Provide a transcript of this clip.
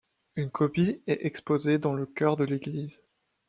Une copie est exposée dans le chœur de l’église.